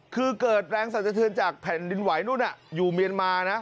คือเกิดแรงสันสะเทือนจากแผ่นดินไหวนู่นอยู่เมียนมานะ